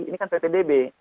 ini kan pt db